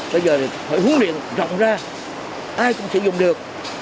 bây giờ phải huấn luyện rộng ra ai cũng sử dụng được